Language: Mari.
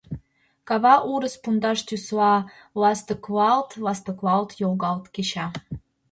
Кава урыс пундыш тӱсла ластыклалт-ластыклалт йолгалт кеча.